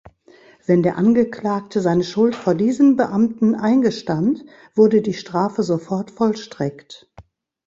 Wenn der Angeklagte seine Schuld vor diesen Beamten eingestand, wurde die Strafe sofort vollstreckt.